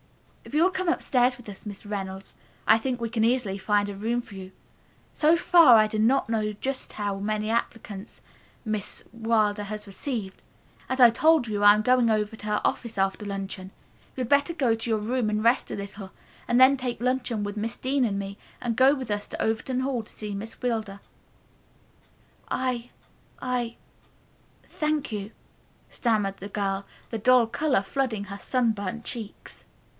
"If you will come upstairs with us, Miss Reynolds, I think we can easily find a room for you. So far I do not know just how many applications Miss Wilder has received. As I told you, I am going over to the office after luncheon. You had better go to your room and rest a little, then take luncheon with Miss Dean and me and go with us to Overton Hall to see Miss Wilder, the dean." "I I thank you," stammered the girl, the dull color flooding her sunburnt cheeks.